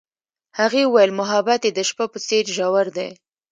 هغې وویل محبت یې د شپه په څېر ژور دی.